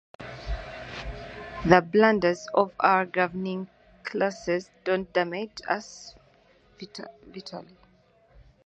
The blunders of our governing classes don't damage us vitally.